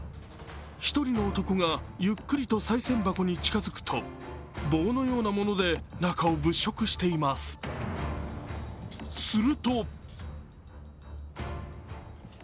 １人の男がゆっくりとさい銭箱に近づくと棒のようなもので中を物色しています。